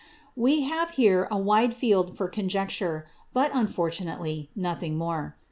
] We have here a wide field for conjecture,—but, unfortunately, nothing more.